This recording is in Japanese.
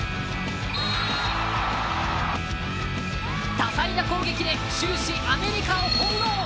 多彩な攻撃で終始アメリカを翻弄。